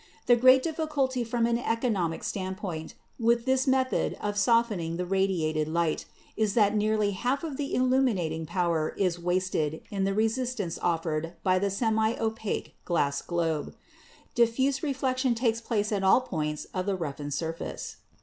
The great difficulty from an eco nomic standpoint, with this method of softening the radi ated light, is that nearly one half of the illuminating power is wasted in the resistance offered by the semi N opaque glass globe. Diffuse reflection takes place at all points of the roughened surface.